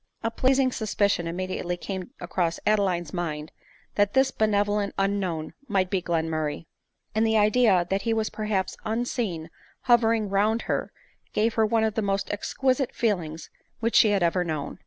A pleasing suspicion immediately came across Ade line's mind mat this benevolent unknown might be Glen murray ; and the idea that he was perhaps unseen hov ering round her, gave her one of the most exquisite feel ings which she had ever known.